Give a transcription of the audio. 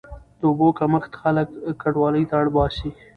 د اوبو کمښت خلک کډوالۍ ته اړ باسي.